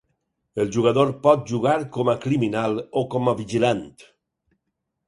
El jugador pot jugar com a criminal o com a vigilant.